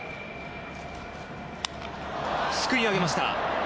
すくい上げました。